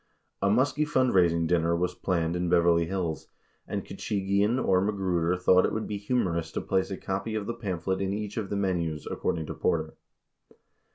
50 A Muskie fundraising dinner was planned in Beverly Hills, and Khachigian or Magruder thought it would be humorous to place a copy of the pamphlet in each of the menus, according to Porter.